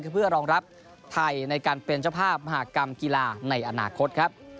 เพื่อรองรับไทยในการเป็นเจ้าภาพมหากรรมกีฬาในอนาคตครับ